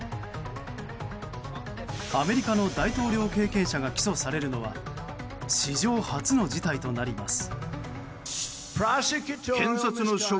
アメリカの大統領経験者が起訴されるのは史上初の事態となります。